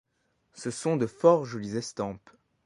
Ce sont de fort jolies estampes.